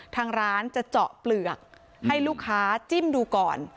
ทางร้านจะเจาะเปลือกให้ลูกค้าจิ้มดูก่อน